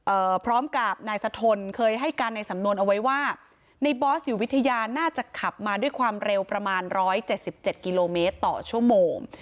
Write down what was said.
พร้อมกับนายสะทนเคยให้การในสำนวนเอาไว้ว่าในบอสอยู่วิทยาน่าจะขับมาด้วยความเร็วประมาณร้อยเจ็ดสิบเจ็ดกิโลเมตรต่อชั่วโมง